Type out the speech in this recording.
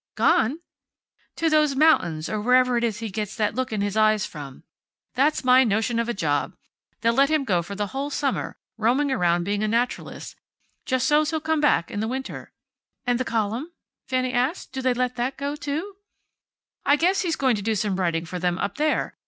"Gone?" "To those mountains, or wherever it is he gets that look in his eyes from. That's my notion of a job. They let him go for the whole summer, roaming around being a naturalist, just so's he'll come back in the winter." "And the column?" Fanny asked. "Do they let that go, too?" "I guess he's going to do some writing for them up there.